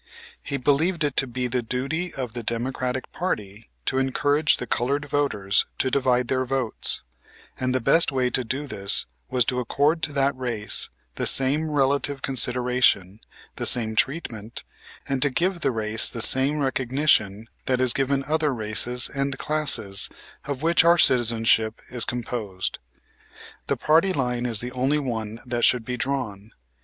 He believed it to be the duty of the Democratic party to encourage the colored voters to divide their votes, and the best way to do this was to accord to that race the same relative consideration, the same treatment, and to give the race the same recognition that is given other races and classes of which our citizenship is composed. The party line is the only one that should be drawn.